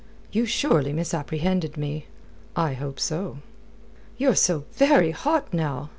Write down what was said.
"You surely misapprehend me." "I hope so." "You're so very hot, now!"